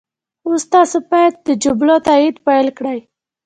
اوس تاسو باید د جملو تایید پيل کړئ.